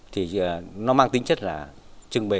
thì nó mang tính chất là trưng bày